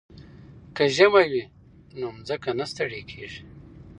که ژمی وي نو ځمکه نه ستړې کیږي.